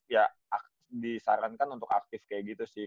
ya disarankan untuk aktif kayak gitu sih